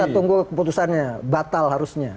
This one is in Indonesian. itu keputusannya batal harusnya